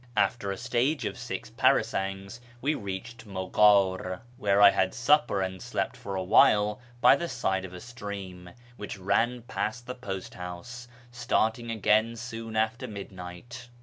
After a stage of six parasangs we reached Mughar, where I had supper and slept for a while by the side of a stream which ran past the post house, starting again soon after midnight.